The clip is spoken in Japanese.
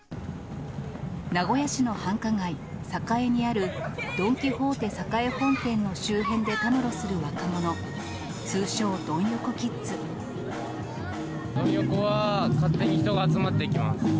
名古屋市の繁華街、栄にあるドン・キホーテ栄本店の周辺でたむろする若者、通称、ドン横は勝手に人が集まってきます。